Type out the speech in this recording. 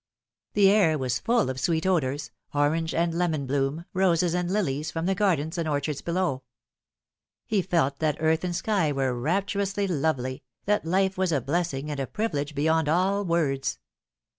The air was full of sweet odours, orange and lemon bloom, roses and lilies, from the gardens and orchards below. He felt that earth and sky were rapturously lovely, that life was a blessing and a privilege beyond all words.